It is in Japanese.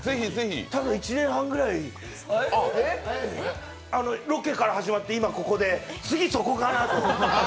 ただ、１年半ぐらいロケから始まって、今ここで次、そこからという。